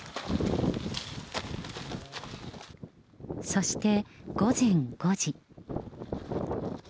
そして午前５時。